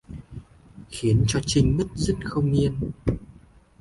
Khiến cho Trinh bứt rứt không yên